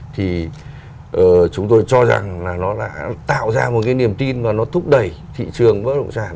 thì chúng tôi cho rằng là nó đã tạo ra một cái niềm tin và nó thúc đẩy thị trường bất động sản